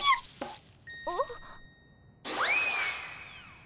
あっ。